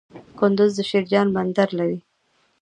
کندز د شیرخان بندر لري